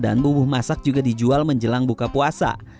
dan bubuh masak juga dijual menjelang buka puasa